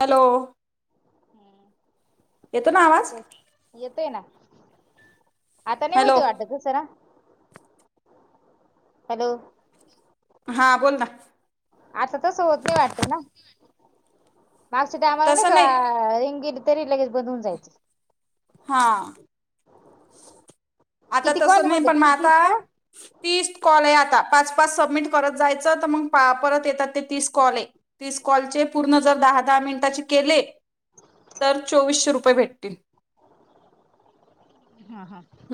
Hello. येतो ना आवाज येतोय ना? आता नाही हॅलो होत वाटत तसं ना. हॅलो. हां बोल ना आता तस होत नाही वाटत ना? मागच्या टाइमला नाही का रिंग गेली तरी लगेच बंद हून जायचे. हा. आता किती कॉल तसं नाही म्हटले पण मग तुम्ही तीस आता ना तीस् कॉल आहे आता. पाच पाच सबमिट करत जायचे त मग परत येता ते तीस कॉल हे तीस कॉल चे पूर्ण जर दहा दहा मिनिटाचे केले. तर चोवीसशे रुपये भेटतील.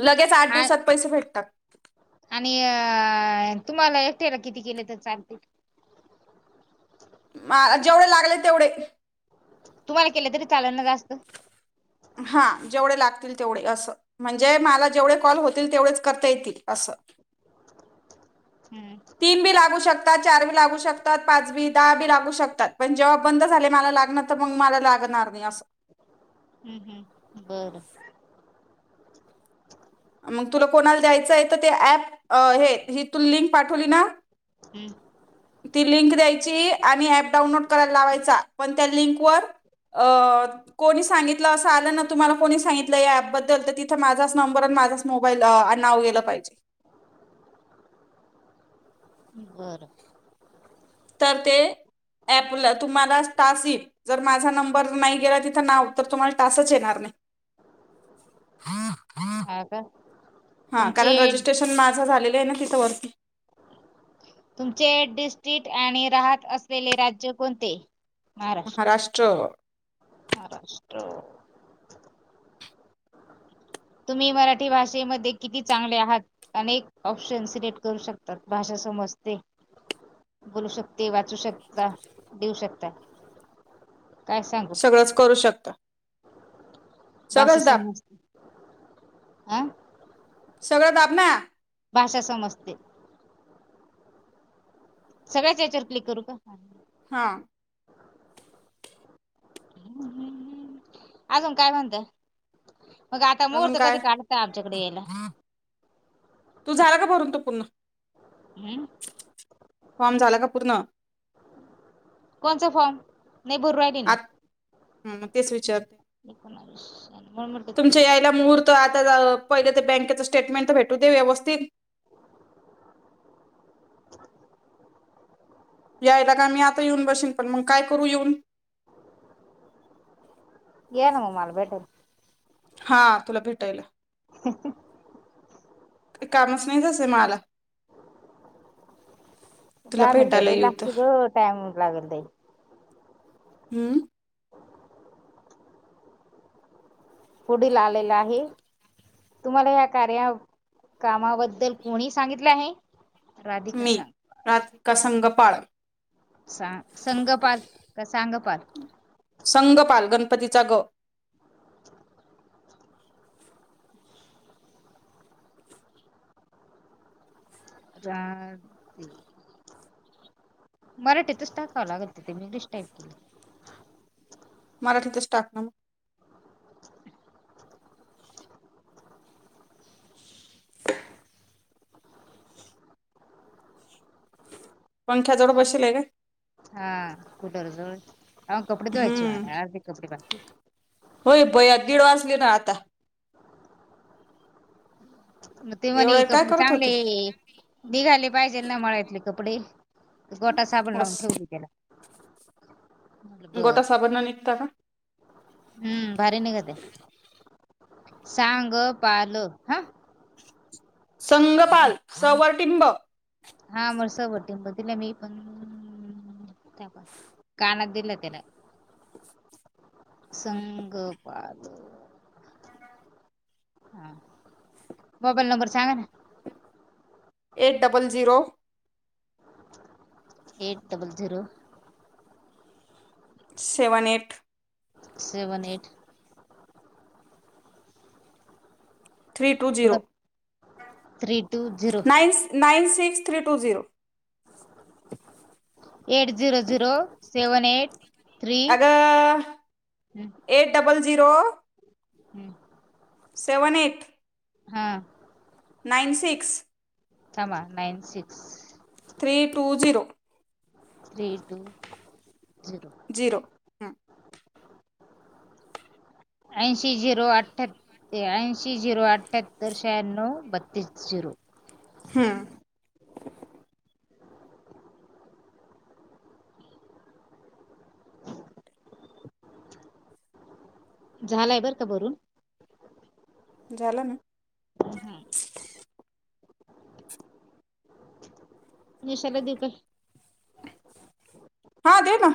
लगेच आठ अ दिवसात पैसे भेटतात आणि अ तुम्हाला एकट्याला किती केले तर चालतील? जेवढे लागले तेवढे तुम्हाला केलं तरी चालल ना जास्त? हा जेवढे लागतील तेवढे असं म्हणजे मला जेवढे कॉल होतील तेवढेच करता येतील असं. तीन बी लागू शकतात, चार बी लागू शकतात, पाच बी, दहा बी लागू शकतात पण जेव् व्हा बंद झाले मला लागणार तर मग मला लागणार नाही अस ह ह बरं. मग तुला कोणाला द्यायचं आहे तर ते ऍप हे ही तु लिंक पाठवली ना. ती लिंक द्यायची आणि अँप डाउनलोड करायला लावायचा पण त्या लिंक वर अ कोणी सांगितलं असं आलं ना तुम्हाला कोणी सांगितलं या ऍपबद्दल तर तिथं माझाच नंब माझच मोबाईल नाव गेलं पाहिजे. बरं. तर ते ऍपला तुम्हाला टास्क येईल. जर माझा नंबर नाही गेला तिथं नाव, तर तुम्हाला टास्क येणार नाही. का [inaudible] हा तुमचे कारण रजिस्ट्रेशन माझं झालेलं ना तिथ वरती तुमचे डिस्ट्रिक आणि राहत असलेले राज्य कोणते? महाराष्ट्र. महाराष्ट्र. तुम्ही मराठी भाषेमध्ये किती चांगले आहात अनेक ऑप्शन सिलेक्ट करू शकता. भाषा समजते. बोलू शकते, वाचू शकता, देऊ शकता. काय सांगू? सगळंच करू शकता. भाषा सगळंच दाब समजत सगळं दाब ना. भाषा समजते. सगळ्याच याच्यावर क्लिक करू का? हा. अजून काय म्हणताय? अजून काय यायला? तूज झाला का भरून तो पूर्ण? हम. फॉर्म झाला का पूर्ण? कोणचं फॉर्म नाही भरू राहिली ना. ह तेच विचार एकणाविषन [unintelligible] यायला मुहूर्त आता पहिले ते बँकेचं स्टेटमेंट तर भेटू दे व्यवस्थित. [inaudible] यायला का मी आता येऊन बसेन पण मग काय करू येऊन. येन मला भेटायला. हा तुला भेटायला. हम्म हं. काही कामच नाही तसे मला. तुला दहा मिनट भेटायला लय येऊ तर लागतंय ग टाईम लागेल ते. हम्म. पुढीलील आलेला आहे. तुम्हाला या कार्या कामाबद्दल कोणी सांगितले आहे? राधिका मी सांग राधिका संघपाळ. सा संगपाल का सांगाल. पतीचाग. रा ती मराठीतच टाकावं लागल तिथे मी इंग्लिश टाईप केल. मराठीतच टाकणा मग. [inaudible] [inaudible] पंख्या जवळ बसले आहे काय? हा कठोर जवळ कपडे धुवायचे हम्म मला अर्धे कपडे बाकी आहेत. भया दीड वाजले ना आता. म ते म्हणे एवढं काय कपडे करत होते चांगले निघाले पाहिजे ना मळ्यात कपडे. गोटा साबण लावून बस ठेवली त्याला. म्हटलं गोटा बर साबणांनी निघत का? हम्म भारी निघत आहे सांगपाल हा. संगपाल स वर टिंब. हा म स वर टिंब दिलं मी पण. कानात दिला त्याला. संगपाल [inaudible] ह मोबाईल नंबर सांगा ना. Eight double zero eight double zero. Seven eight seven eight. Three two zero कुठं three two zero nine nine six three two zero. Eight zero zero seven eight three अग एट डबल झिरो हम्म. Seven eight हं. Nine six थांबा nine six three two zero. Three two zero हम्म. ऐंशी zero अठ्ठ्या त्र्याऐंशी zero अठ्याहत्तर शहाण्णव बत्तीस झिरो. हम्म. झालाय बर का भरून. झाला ना? हम्म. निशाला दिऊ काय? हा दे ना.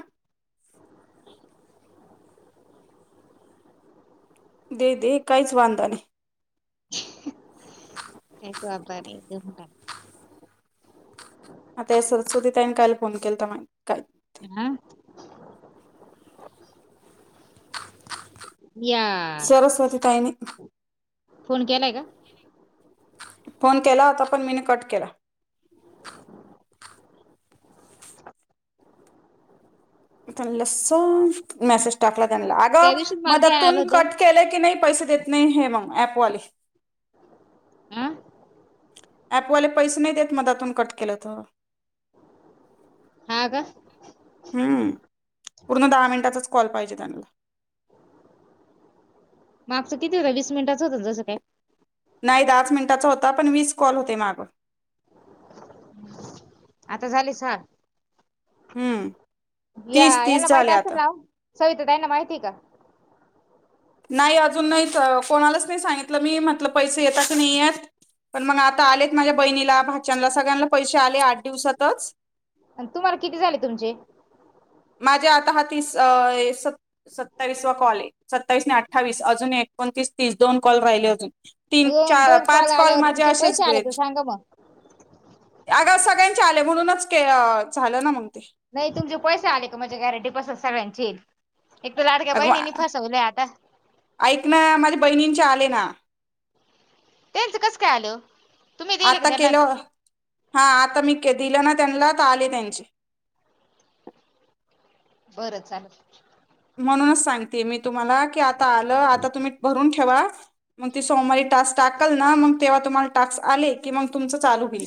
दे, दे काहीच वांद नाही. [unintelligible] आता या सरस्वतीताईने काल फोन केलता हाय. का हम्म. सरस्वती ताईंनी. फोन केलाय का? फोन केला होता, पण मीने कट केला. त्यां सफ्ट मेसेज टाकला त्यां त्या अगं दिवशीच मला ध्यान मदतून आलं होतं कट केलं की नाही पैसे देत नाही हे मग ऍपवाले. हा ऍपवाले पैसे नाही देत मदेतुन कट केलं तर. हा का हम्म पूर्ण दहा मिनिटाचच कॉल पाहिजे त्यांना. मागचं किती होत वीस मिनिटाच होतं जसं काय नाही दहाच मिनिटांचा होता, पण वीस कॉल होते मागं. आता झालेच सहा हम्म या तीस तीस याला माहिट झाले असेल आता ना ओ सविता ताईंना माहितीय का? नाही अजून नाही कोणालाच नाही सांगितलं. मी म्हटलं पैसे येता की नाही येत पण मग आता आलेत माझ्या बहिणीला भाच्यानला सगळ्यांना पैसे आले आठ दिवसातच. तुम्हाला किती झाले तुमचे? माझे आता हा तीस अ सत्तावीसवा कॉल आहे. सत्तावीस नाही अठ्ठावीस. अजून एक एकोणतीस, तीस दोन कॉल राहिले अजून. तीन, दोन चार, दोन पाच कॉल आल्यावर माझे तुमचे असेच पैसे आले बे तर सांगा मग अग सग गळ्यांचे आले म्हणूनच झालं ना मग ते नाही तुमचे पैसे आले का माझ्या गॅरंटीपासून सगळ्यांचे येईल. एक तर लाडक्या अग बहिणींनी मग फसवलंय आता ऐक ना माझ्या बहिणींचे आले ना. त्यांचं कसं काय आलं ओ? तुम्ही दिल का आता त्यांना केलं हा आता मी दिलं ना त्यांना तर आले त्यांचे. बरंच झालं. म्हणूनच सांगते मी तुम्हाला, की आता आलं आता तुम्ही भरून ठेवा. मग ती सोमवारी टास्क टाकलं ना, मग तेव्हा तुम्हाला टाक्स आले की मग तुमच चालू होईल.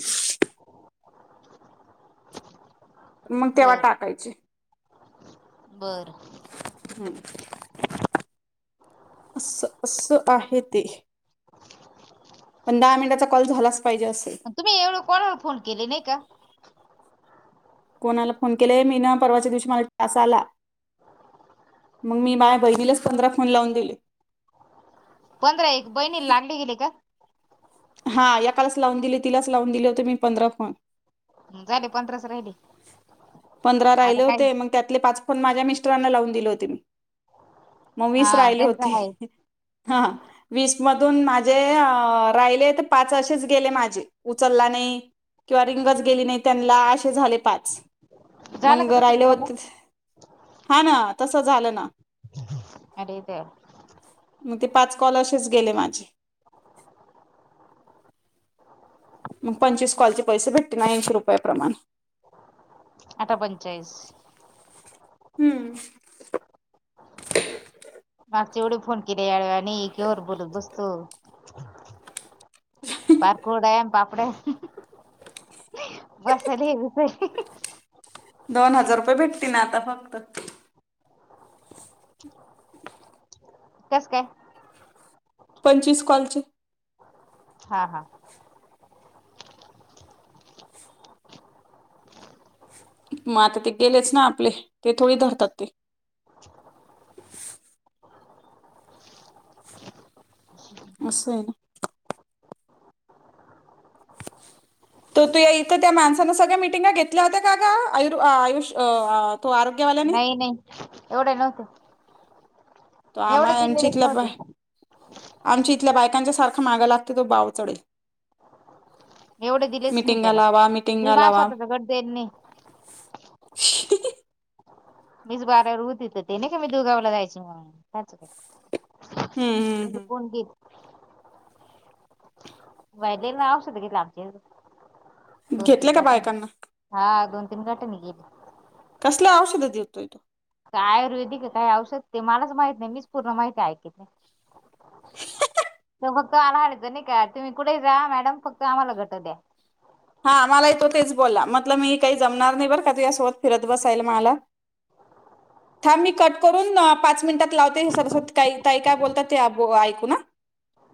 मग तेव्हा टाकायचे. बरं. हम्म. अस असं आहे ते. पण दहा मिनिटाचा कॉल झालाच पाहिजे असं. तुम्ही एवढं कोणाला फोन केले नाही का कोणाला फोन केलाय मी ना परवाच्या दिवशी मला टास्क आला मग मी माझ्या बहिणीलाच पंधरा फोन लावून दिले. पंधरा एक बहिणी लागली गेले का? हा एकालाच लावून दिली, तिलाच लावून दिले होते मी पंधरा फोन. झाले पंधराच राहिले. पंधरा आता राहिले काय होते मग त्यातले पाच पण माझ्या मिस्टरांना लावून दिले होते मी मग वीस हा राहिले होते त्यांचं आहे हा वीस मधून माझे आ राहिले तर पाच असेच गेले माझे उचलला नाही. किंवा रिंगच गेली नाही त्यांनला असे झाले पाच. झालं मंग का तसं राहिले तुम्हाला होते हा ना तस झालं ना. अरे तर ते पाच कॉल असेच गेले माझे. मग पंचवीस कॉलचे पैसे भेटते ना ऐंशी रुपया प्रमाण आता पंचायस हम्म. मागचे एवढे फोन केले याडवा ने एकीवर बोलत बसतो. पारकोगयाम पापड्या बसायला [unintelligible] दोन हजार रुपये भेटतीन आता फक्त कसं काय? पंचवीस कॉलचे हा हा. मग आता ते गेलेच ना आपले ते थोडी धरतात ते. [inaudible] असं आहे ना. [inaudible] तर तू इथं त्या माणसांना सगळ्या मिटिंगा घेतल्या होत्या का ग अयुर आयुष अ आ तो आरोग्यवाल्याने एवढ्या नव्हते. तो मी आम्हा एवढे दिलेलेच एमचीतल्या नव्हते बाई मी आमच्या इथल्या बायकांच्या सारखा मागा लागते तो बावचडे एवढे दिलेच नाही त्याला मी मिटिंगा मास लावा होता दगड देणे. [inaudible] मीच बारावर होतं तिथं ते नाही क मी दुगावला जायचं म त्याचा काय हम्म हम्म म्हणजे हम्म कोण देत [unintelligible] नाव शुध घेतला आमचे दोन-तीन घेतले का गट बायकांना हा दोन तीन घटानी गेली. कसल्या औषध देतोय तो? काय आयुर्वेदिक आहे काही औषध ते मलाच माहित नाही मीच पूर्ण माहिती ऐकित नाही. तर फक्त आला होता नाही का तुम्ही कुठे ही जा मॅडम फक्त आम्हाला घट द्या. हा मला ही तो तेच बोला म्हटलं मी काही जमणार नाही बरं का तुझा सोबत फिरत बसायल मला. [unintelligible] थांब मी कट करून पाच मिनिटात लावते हे सरस्वत काही ताई काय बोलतात ते आबों ऐकू न हा.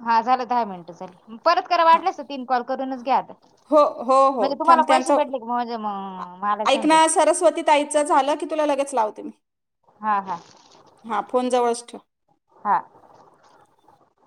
हा झालं दहा मिनटं झाली परत करा हा वाटल्यास तीन कॉल करूनच घ्या आता. हो हो हो म्हणजे तुम्हाला थांब पैसे त्यांचा भेटले की म्हणजे मग मला समजेल ऐकना सरस्वती ताईच झालं की तुला लगेच लावते मी हा हा हा फोन जवळच ठेव. हा.